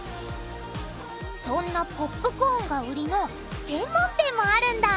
そんなポップコーンが売りの専門店もあるんだ！